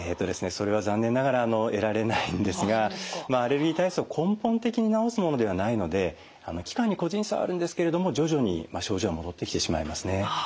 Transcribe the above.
それは残念ながら得られないんですがアレルギー体質を根本的に治すものではないので期間に個人差はあるんですけれども徐々に症状は戻ってきてしまいますね。